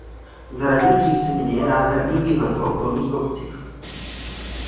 Z hradní zříceniny je nádherný výhled po okolních kopcích.